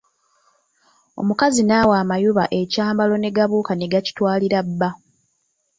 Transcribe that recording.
Omukazi n'awa amayuba ekyambalo ne gabuuka ne gakitwalira bba.